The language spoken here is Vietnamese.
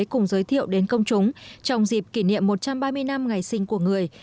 cùng giới thiệu đến công chúng trong dịp kỷ niệm một trăm ba mươi năm ngày sinh của người